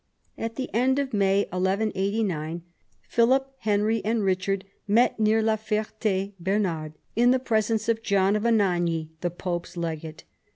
At the end of May 1189 Philip, Henry, and Richard met, near la Ferte, Bernard, in the presence of John of Anagni, the pope's legate.